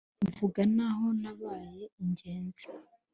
Mvuga n’aho nabaye ingenzi